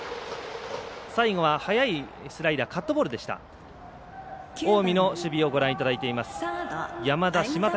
最後は速いスライダーカットボールでした。